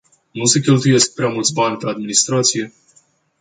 Nu se cheltuiesc prea mulți bani pe administrație?